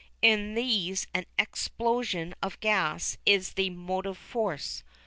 In these an explosion of gas is the motive force.